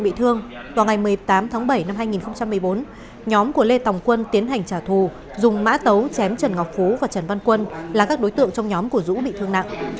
bị thương vào ngày một mươi tám tháng bảy năm hai nghìn một mươi bốn nhóm của lê tòng quân tiến hành trả thù dùng mã tấu chém trần ngọc phú và trần văn quân là các đối tượng trong nhóm của dũ bị thương nặng